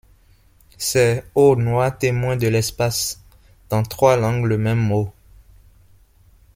C’est, ô noirs témoins de l’espace, Dans trois langues le même mot!